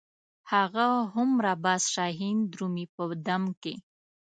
هغه هومره باز شاهین درومي په دم کې.